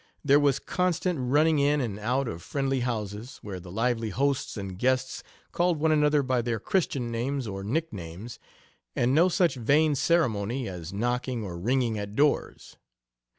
There was constant running in and out of friendly houses, where the lively hosts and guests called one another by their christian names or nicknames, and no such vain ceremony as knocking or ringing at doors.